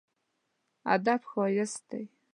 ادب ښايست دی.